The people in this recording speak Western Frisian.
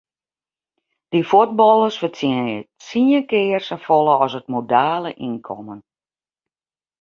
Dy fuotballers fertsjinje tsien kear safolle as it modale ynkommen.